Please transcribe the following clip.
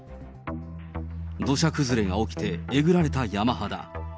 土砂崩れが起きてえぐられた山肌。